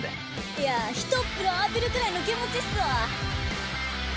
いやあひとっ風呂浴びるくらいの気持ちっすわ。